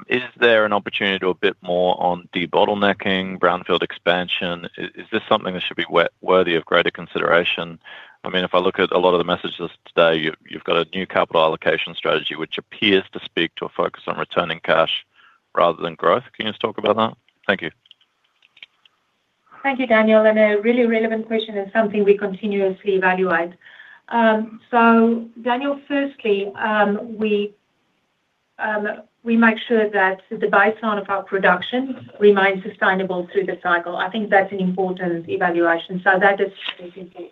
Is there an opportunity to do a bit more on debottlenecking, brownfield expansion? Is this something that should be worthy of greater consideration? I mean, if I look at a lot of the messages today, you, you've got a new capital allocation strategy, which appears to speak to a focus on returning cash rather than growth. Can you just talk about that? Thank you. Thank you, Daniel, and a really relevant question and something we continuously evaluate. So Daniel, firstly, we make sure that the baseline of our production remains sustainable through the cycle. I think that's an important evaluation, so that is key.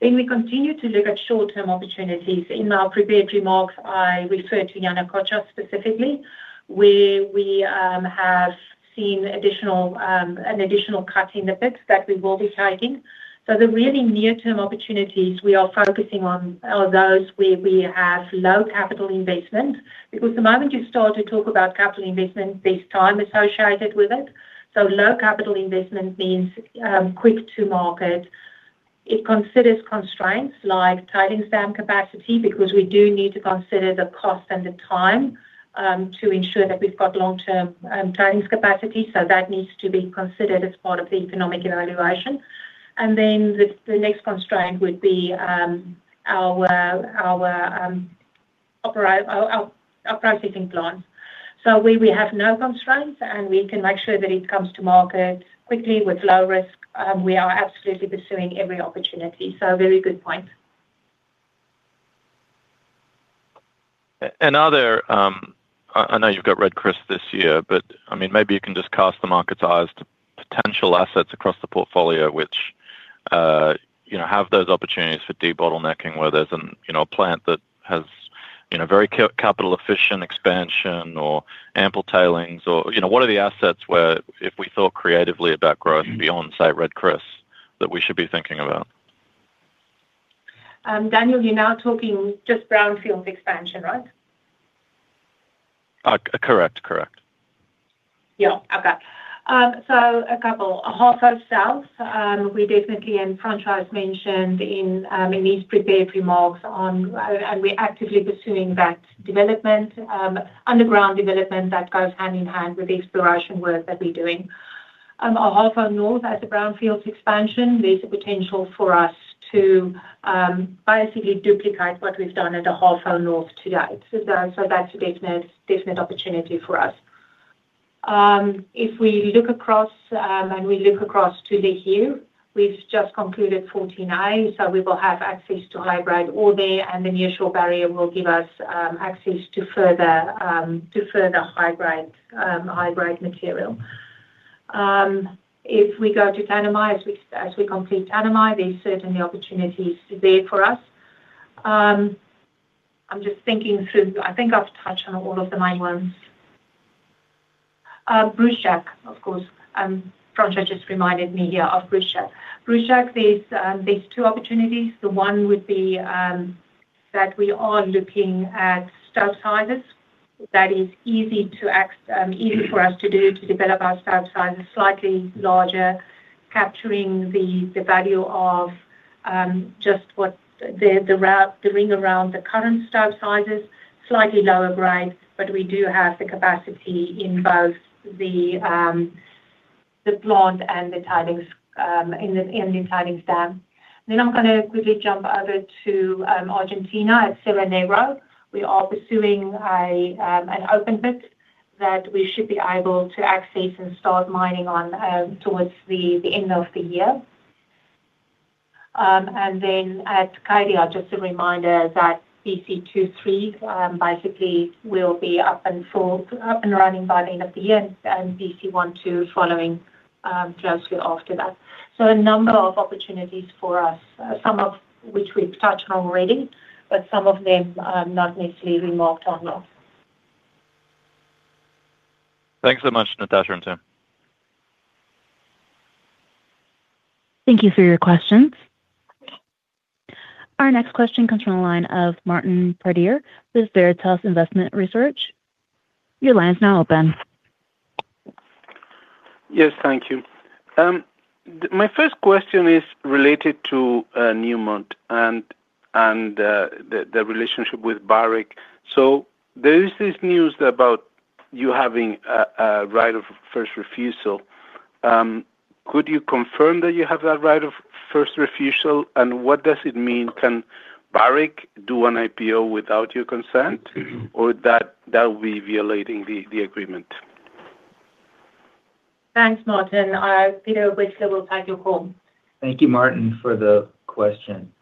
Then we continue to look at short-term opportunities. In our prepared remarks, I referred to Yanacocha specifically, where we have seen additional, an additional cut in the pits that we will be taking. So the really near-term opportunities we are focusing on are those where we have low capital investment. Because the moment you start to talk about capital investment, there's time associated with it. So low capital investment means, quick to market. It considers constraints like tailings dam capacity, because we do need to consider the cost and the time, to ensure that we've got long-term, tailings capacity. So that needs to be considered as part of the economic evaluation. And then the next constraint would be our processing plant. So where we have no constraints, and we can make sure that it comes to market quickly with low risk, we are absolutely pursuing every opportunity. So very good point. Another, I know you've got Red Chris this year, but, I mean, maybe you can just cast the market's eyes to potential assets across the portfolio, which, you know, have those opportunities for debottlenecking, where there's, you know, a plant that has, you know, very capital efficient expansion or ample tailings or, you know, what are the assets where if we thought creatively about growth beyond, say, Red Chris, that we should be thinking about? Daniel, you're now talking just brownfield expansion, right? Correct, correct. Yeah, okay. So a couple, Ahafo South, we definitely, and Francois mentioned in his prepared remarks on, and we're actively pursuing that development, underground development that goes hand-in-hand with the exploration work that we're doing. Our Ahafo North as a brownfields expansion, there's a potential for us to basically duplicate what we've done at the Ahafo North to date. So that's a definite, definite opportunity for us. If we look across, and we look across to Lihir, we've just concluded 49, so we will have access to high-grade ore there, and the nearshore barrier will give us access to further, to further high-grade, high-grade material. If we go to Tanami, as we complete Tanami, there's certainly opportunities there for us. I'm just thinking through. I think I've touched on all of the main ones. Brucejack, of course, Francois just reminded me here of Brucejack. Brucejack, there's, there's two opportunities. The one would be, that we are looking at stope sizes. That is easy for us to do, to develop our stope sizes slightly larger, capturing the, the value of, just what the, the wrap, the ring around the current stope sizes, slightly lower grade, but we do have the capacity in both the, the plant and the tailings, in the, in the tailings dam. Then I'm gonna quickly jump over to, Argentina at Cerro Negro. We are pursuing a, an open pit that we should be able to access and start mining on, towards the, the end of the year. And then at Cadia, just a reminder that PC 2-3 basically will be up and full, up and running by the end of the year, and PC 1-2 following closely after that. So a number of opportunities for us, some of which we've touched on already, but some of them not necessarily remarked on now. Thanks so much, Natascha and team. Thank you for your questions. Our next question comes from the line of Martin Pradier with Veritas Investment Research. Your line is now open. Yes, thank you. My first question is related to Newmont and the relationship with Barrick. So there is this news about you having a right of first refusal. Could you confirm that you have that right of first refusal, and what does it mean? Can Barrick do an IPO without your consent, or that would be violating the agreement? Thanks, Martin. Peter Wexler will take your call. Thank you, Martin, for the question.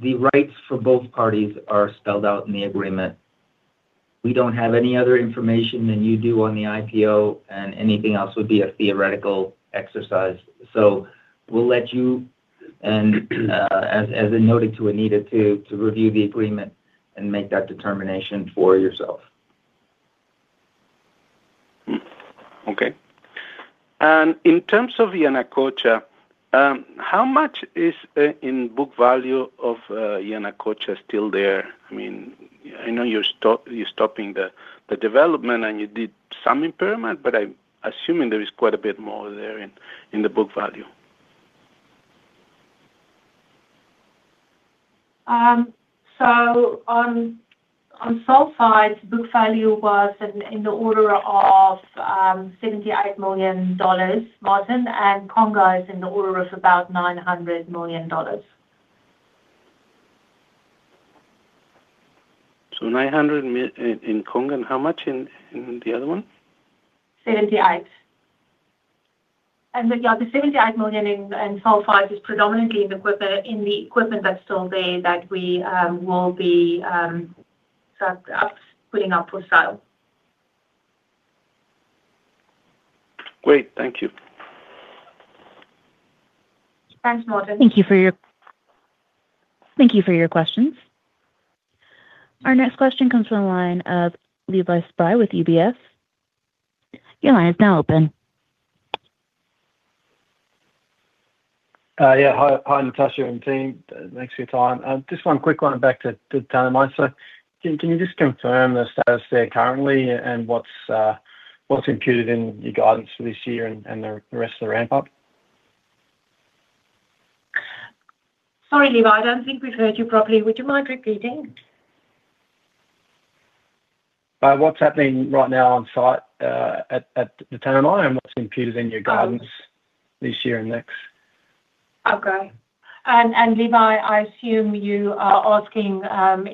The rights for both parties are spelled out in the agreement. We don't have any other information than you do on the IPO, and anything else would be a theoretical exercise. So we'll let you and, as I noted to Anita, to review the agreement and make that determination for yourself. Okay. And in terms of Yanacocha, how much is in book value of Yanacocha still there? I mean, I know you're stopping the development, and you did some improvement, but I'm assuming there is quite a bit more there in the book value. On sulfide, book value was in the order of $78 million, Martin, and Conga is in the order of about $900 million. So $900 million in Conga, and how much in the other one? 78. The $78 million in sulfides is predominantly in the equipment that's still there that we will be start up putting up for sale. Great, thank you. Thanks, Martin. Thank you for your questions. Our next question comes from the line of Levi Spry with UBS. Your line is now open. Yeah, hi Natascha and team. Thanks for your time. Just one quick one back to Tanami. So can, can you just confirm the status there currently and what's, what's included in your guidance for this year and, and the, the rest of the ramp up? Sorry, Levi, I don't think we've heard you properly. Would you mind repeating? What's happening right now on site at the Tanami, and what's included in your guidance this year and next? Okay. And Levi, I assume you are asking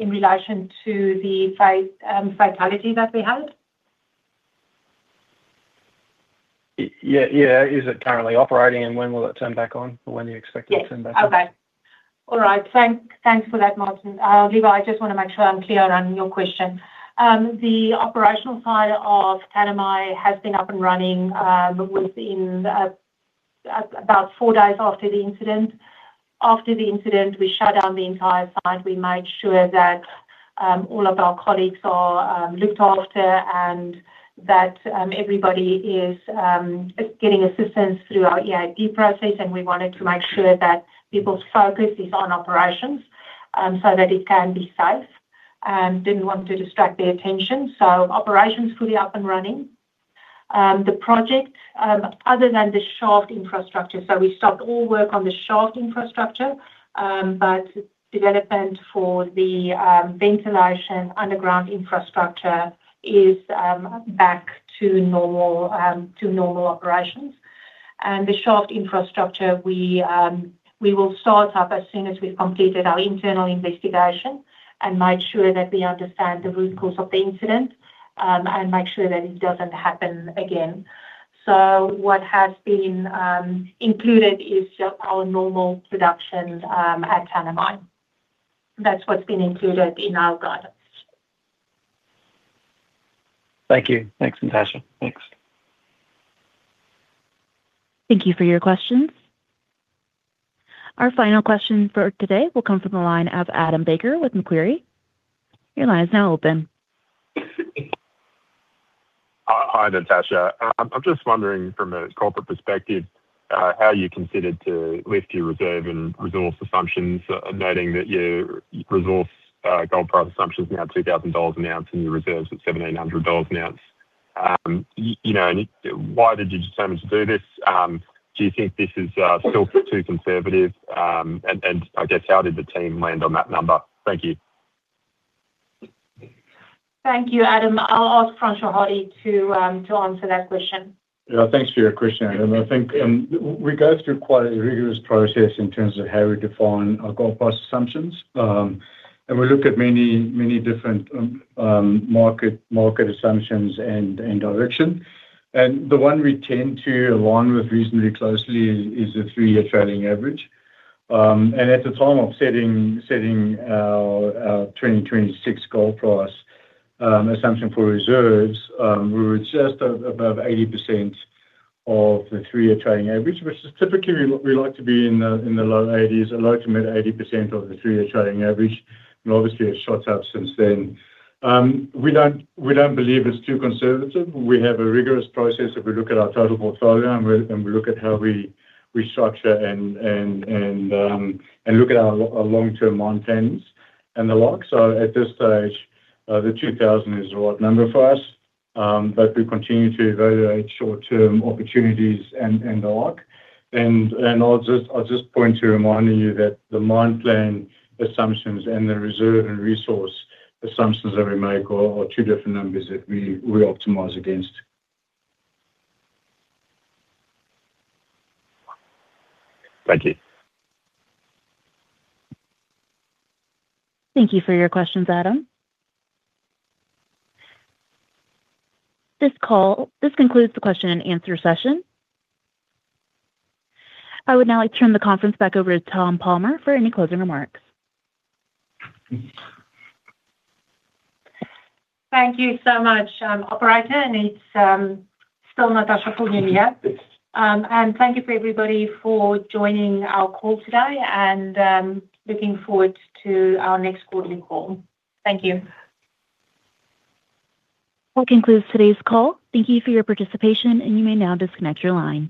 in relation to the fatality that we had? Yeah, yeah. Is it currently operating, and when will it turn back on, or when do you expect it to turn back on? Yes. Okay. All right, thanks for that, Martin. Levi, I just wanna make sure I'm clear on your question. The operational side of Tanami has been up and running within about four days after the incident. After the incident, we shut down the entire site. We made sure that all of our colleagues are looked after and that everybody is getting assistance through our EID process, and we wanted to make sure that people's focus is on operations so that it can be safe. Didn't want to distract their attention, so operations fully up and running. The project other than the shaft infrastructure, so we stopped all work on the shaft infrastructure but development for the ventilation underground infrastructure is back to normal to normal operations. The shaft infrastructure, we will start up as soon as we've completed our internal investigation and made sure that we understand the root cause of the incident, and make sure that it doesn't happen again. What has been included is just our normal production at Tanami. That's what's been included in our guidance. Thank you. Thanks, Natascha. Thanks. Thank you for your questions. Our final question for today will come from the line of Adam Baker with Macquarie. Your line is now open. Hi, Natascha. I'm just wondering, from a corporate perspective, how you considered to lift your reserve and resource assumptions, noting that your resource, gold price assumption is now $2,000 an ounce and your reserves at $1,700 an ounce. You know, and why did you determine to do this? Do you think this is still too conservative? And, and I guess, how did the team land on that number? Thank you. Thank you, Adam. I'll ask Francois Hardy to answer that question. Yeah, thanks for your question, Adam. I think, we go through quite a rigorous process in terms of how we define our gold price assumptions. And we look at many, many different, market assumptions and direction. And the one we tend to align with reasonably closely is the three-year trailing average. And at the time of setting our 2026 gold price assumption for reserves, we were just above 80% of the three-year trailing average, which is typically we like to be in the low 80s, low to mid-80% of the three-year trailing average, and obviously, it's shot up since then. We don't believe it's too conservative. We have a rigorous process. If we look at our total portfolio, and we look at how we structure and look at our long-term mountains and the like. So at this stage, the 2,000 is the right number for us, but we continue to evaluate short-term opportunities and the like. And I'll just point to reminding you that the mine plan assumptions and the reserve and resource assumptions that we make are two different numbers that we optimize against. Thank you. Thank you for your questions, Adam. This call this concludes the question-and-answer session. I would now like to turn the conference back over to Tom Palmer for any closing remarks. Thank you so much, operator, and it's still Natascha Viljoen. And thank you for everybody for joining our call today and looking forward to our next quarterly call. Thank you. That concludes today's call. Thank you for your participation, and you may now disconnect your line.